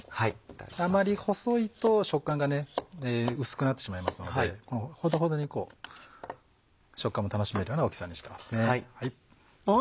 あまり細いと食感が薄くなってしまいますのでほどほどに食感も楽しめるような大きさにしてますね。